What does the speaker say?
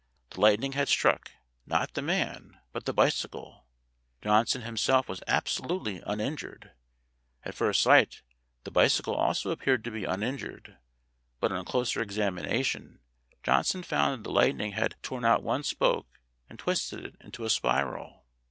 The lightning had struck, not the man, but the bicycle. Johnson himself was absolutely uninjured. At first sight the bicycle also appeared to be uninjured, but on closer examination Johnson found that the lightning had torn out one spoke and twisted it into a spiral.